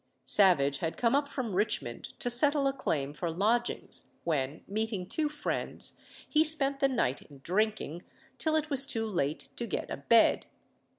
Savage had come up from Richmond to settle a claim for lodgings, when, meeting two friends, he spent the night in drinking, till it was too late to get a bed.